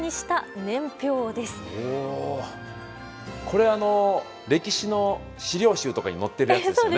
これ歴史の資料集とかに載っているやつですよね。